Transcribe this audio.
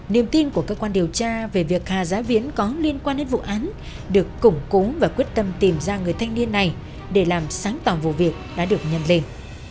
niềm tin của cơ quan điều tra về việc hà giá viễn có liên quan đến vụ án được củng cố và quyết tâm tìm ra người thanh niên này để làm sáng tỏ vụ việc đã được nhân lên